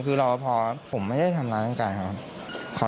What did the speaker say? คือรอพอผมไม่ได้ทำร้ายร่างกายเขาครับ